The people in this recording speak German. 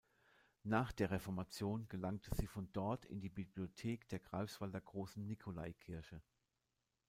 Nach der Reformation gelangte sie von dort in die Bibliothek der Greifswalder Großen Nikolaikirche.